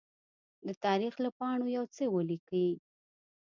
د تاریخ له پاڼو يوڅه ولیکئ!